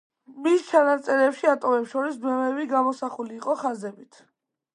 მის ჩანაწერებში ატომებს შორის ბმები გამოსახული იყო ხაზებით.